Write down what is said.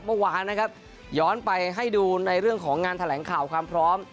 เมื่อวานนะครับย้อนไปให้ดูในเรื่องของงานแถลงข่าวความพร้อม